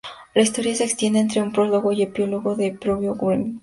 La historia se extiende entre un prólogo y un epílogo del propio Browning.